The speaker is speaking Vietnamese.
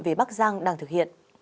về bắc giang đang thực hiện